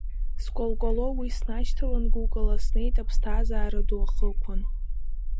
Скәалкәало уи снашьҭалан гәыкала, снеит аԥсҭазаара ду ахықәан.